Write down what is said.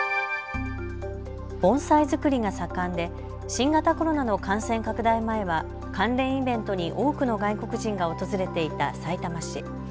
盆栽作りが盛んで新型コロナの感染拡大前は関連イベントに多くの外国人が訪れていたさいたま市。